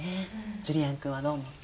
ジュリアン君はどう思った？